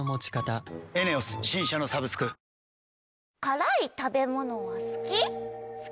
「辛い食べ物は好き？」